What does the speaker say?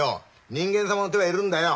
人間様の手はいるんだよ。